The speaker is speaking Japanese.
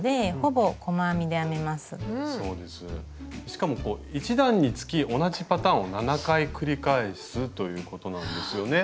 しかも１段につき同じパターンを７回繰り返すということなんですよね。